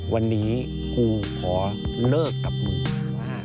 วันนี้กูขอเลิกกับมือ